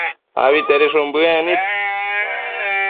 abitedishun bëec nid